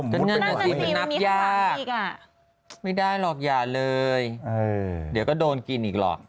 ไม่ได้หรอกอย่าเลยเดี๋ยวก็โดนกินอีกหรอก